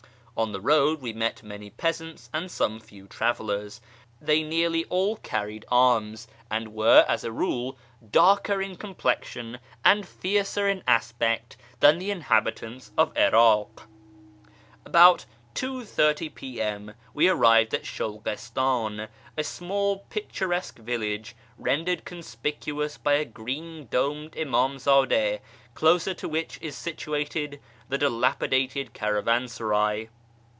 On the road we met many peasants and some few travellers ; they nearly all carried arms, and were as a rule darker in complexion and fiercer in aspect than the inhabitants of 'Ir.ik. About 2.30 P.M. we arrived at Shulghistan, a small picturesqiie village, rendered conspicuous by a green domed Inidmzjide, close to which is situated the dilapidated caravansaray.